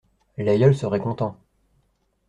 L'aïeul serait content.